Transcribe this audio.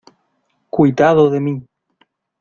¡ cuitado de mí!